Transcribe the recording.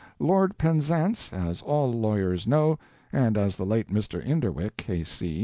Lord Penzance, as all lawyers know, and as the late Mr. Inderwick, K.C.